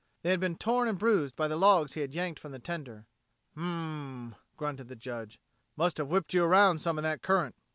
They had been torn and bruised by the logs he had yanked from the tender. "Hm m m!" grunted the Judge, "must have whipped you around some in that current!"